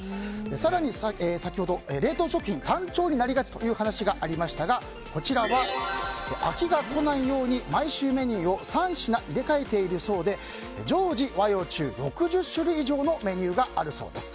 更に先ほど冷凍食品は単調になりがちという話がありましたがこちらは飽きが来ないように毎週メニューを３品入れ替えているそうで常時、和洋中６０種類以上のメニューがあるそうです。